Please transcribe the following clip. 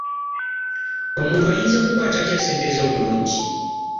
Omuntu ayinza kukwata ate ssente ze obulungi?